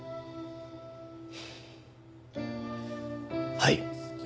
はい。